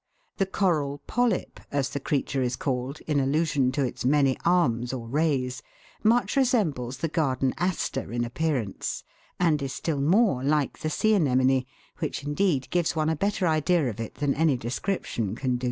The coral polyp, as the creature is called, in allusion to its many arms or rays, much resembles the garden aster in appearance, and is still more like the sea anemone, which indeed gives one a better idea of it than any description can do.